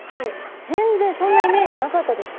全然そんなイメージなかったです。